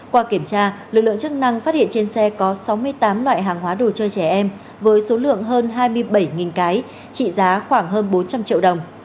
qua kiểm tra lực lượng chức năng phát hiện trên xe có sáu mươi tám loại hàng hóa đồ chơi trẻ em với số lượng hơn hai mươi bảy cái trị giá khoảng hơn bốn trăm linh triệu đồng